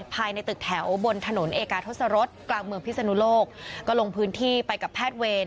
ภายในตึกแถวบนถนนเอกาทศรษกลางเมืองพิศนุโลกก็ลงพื้นที่ไปกับแพทย์เวร